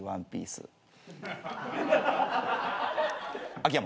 秋山。